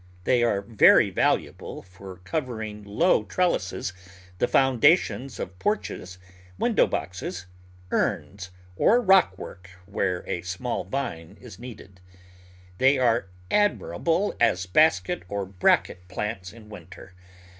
They are very valuable for covering low trellises, the foundations of porches, window boxes, urns, or rock work where a small vine is needed. They are admi rable as basket or bracket plants in winter.